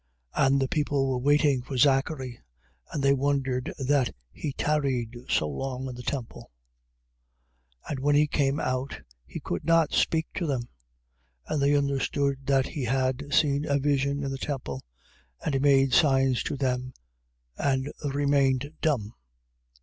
1:21. And the people were waiting for Zachary: and they wondered that he tarried so long in the temple. 1:22. And when he came out, he could not speak to them: and they understood that he had seen a vision in the temple. And he made signs to them and remained dumb.